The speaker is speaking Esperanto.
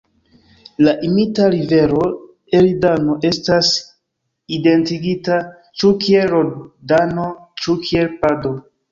La mita rivero Eridano estas identigita ĉu kiel Rodano, ĉu kiel Pado.